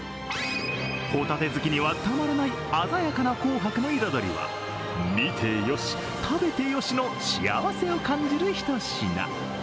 ホタテ好きにはたまらない鮮やかな紅白の彩りは見てよし、食べてよしの幸せを感じるひと品。